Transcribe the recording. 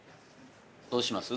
どうします？